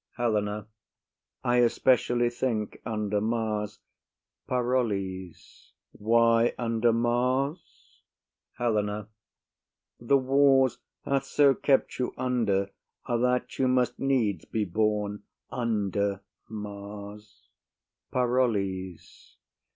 HELENA. I especially think, under Mars. PAROLLES. Why under Mars? HELENA. The wars hath so kept you under, that you must needs be born under Mars. PAROLLES.